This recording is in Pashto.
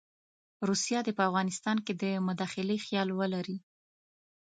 روسیه دې په افغانستان کې د مداخلې خیال ولري.